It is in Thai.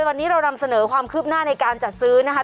วันนี้เรานำเสนอความคืบหน้าในการจัดซื้อนะคะ